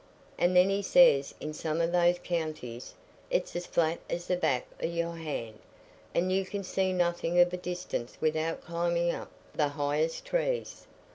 And then he says in some o' those counties it's as flat as the back o' your hand, and you can see nothing of a distance without climbing up the highest trees.